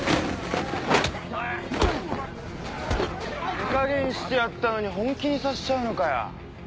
手加減してやったのに本気にさせちゃうのかよ。